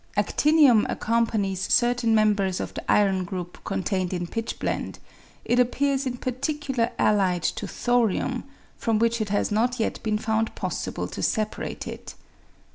Adinium accompanies certain members of the iron group contained in pitchblende ; it appears in par ticular allied to thorium, from which it has not yet been found possible to separate it.